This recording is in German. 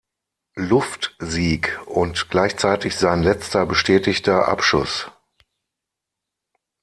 Luftsieg und gleichzeitig sein letzter bestätigter Abschuss.